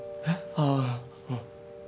ああうん。